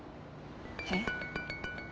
えっ？